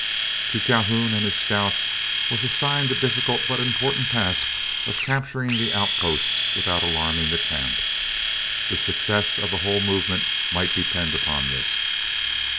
To Calhoun and his scouts was assigned the difficult but important task of capturing the outposts without alarming the camp. The success of the whole movement might depend upon this.